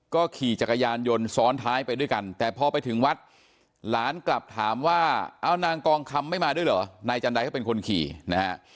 ก็ขี่จักรยานยนต์ซ้อนท้ายไปด้วยกันแต่พอไปถึงวัดหลานกลับถามว่าเอานางกองคำไม่มาด้วยเหรอนายจันใดก็เป็นคนขี่นะฮะ